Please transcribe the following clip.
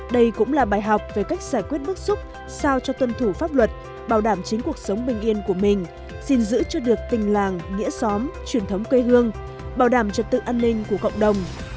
đây cũng là bài học về cách giải quyết bức xúc sao cho tuân thủ pháp luật bảo đảm chính cuộc sống bình yên của mình xin giữ cho được tình làng nghĩa xóm truyền thống quê hương bảo đảm trật tự an ninh của cộng đồng